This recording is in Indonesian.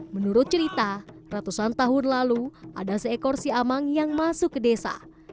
menurut cerita ratusan tahun lalu ada seekor siamang yang masuk ke desa